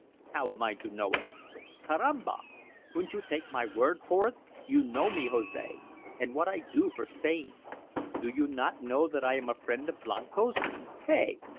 "How am I to know it?" "Carramba! Couldn't you take my word. You know me, Jose, and what I do for Spain. Do you not know that I am a friend of Blanco's? Hey?